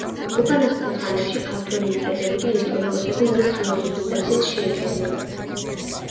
უკანასკნელ ხანებში ქართველი მწერლები და ისტორიკოსები მის რეაბილიტაციას შეეცადნენ.